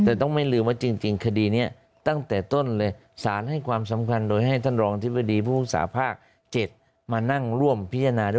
แต่ต้องไม่ลืมว่าจริงคดีนี้ตั้งแต่ต้นเลยสารให้ความสำคัญโดยให้ท่านรองอธิบดีผู้ศึกษาภาค๗มานั่งร่วมพิจารณาด้วย